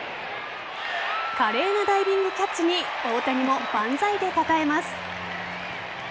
華麗なダイビングキャッチに大谷も万歳でたたえます。